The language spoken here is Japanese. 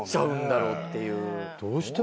どうして。